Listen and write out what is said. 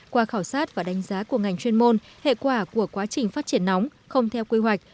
qua khảo sát và đánh giá của ngành chuyên môn hệ quả của quá trình phát triển nóng không theo quy hoạch